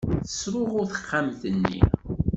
Tesruɣu texxamt-nni.